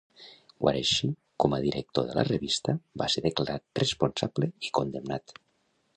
Guareschi, com a director de la revista, va ser declarat responsable i condemnat.